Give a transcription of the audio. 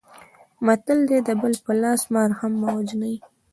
متل دی: د بل په لاس مار هم مه وژنئ.